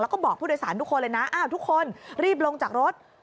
แล้วก็บอกผู้โดยสารทุกคนเลยนะอ้าวทุกคนรีบลงจากรถ